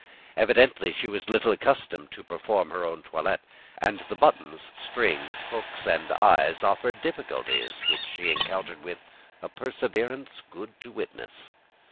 Evidently she was little accustomed to perform her own toilet; and the buttons, strings, hooks and eyes, offered difficulties which she encountered with a perseverance good to witness.